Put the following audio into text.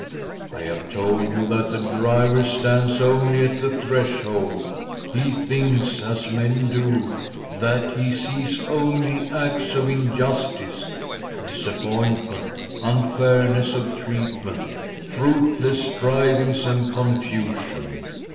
I have told you that the driver stands only at the threshold — he thinks, as men do, that he sees only acts of injustice, disappointment, unfairness of treatment, fruitless strivings, and confusion.